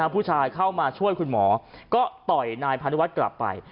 ผู้ชายเข้ามาช่วยคุณหมอก็ต่อยนายพานุวัฒน์กลับไป